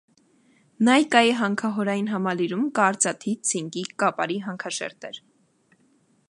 Նայկայի հանքահորային համալիրում կա արծաթի, ցինկի, կապարի հանքաշերտեր։